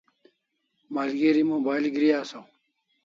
Malgeri mobile gri asaw